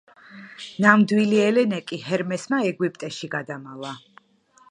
ნამდვილი ელენე კი ჰერმესმა ეგვიპტეში გადამალა.